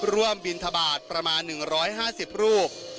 บินทบาทประมาณ๑๕๐รูป